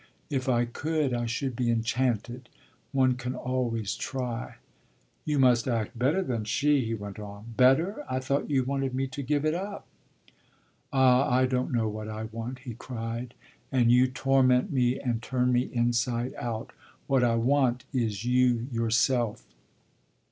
"If I could I should be enchanted. One can always try." "You must act better than she," he went on. "Better? I thought you wanted me to give it up." "Ah I don't know what I want," he cried, "and you torment me and turn me inside out! What I want is you yourself."